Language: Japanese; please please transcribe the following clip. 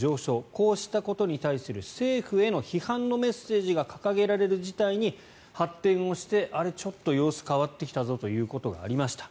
こうしたことに対する政府への批判のメッセージが掲げられる事態に発展してあれ、ちょっと様子変わってきたぞということがありました。